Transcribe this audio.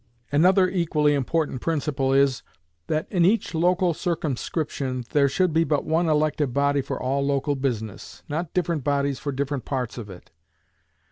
Another equally important principle is, that in each local circumscription there should be but one elective body for all local business, not different bodies for different parts of it.